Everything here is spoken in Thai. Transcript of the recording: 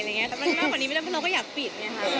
แต่เราก็อยากปิด